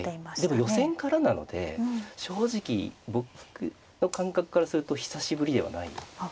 でも予選からなので正直僕の感覚からすると久しぶりではない。